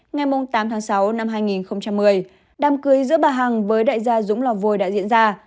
ngày tám tháng sáu năm hai nghìn một mươi đàm cưới giữa bà hằng với đại gia dũng lò vôi đã diễn ra